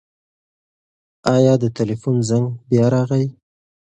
ایا د تلیفون زنګ بیا راغی؟